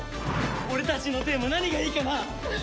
俺たちのテーマ何がいいかな？